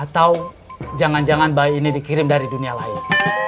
atau jangan jangan bayi ini dikirim dari dunia lain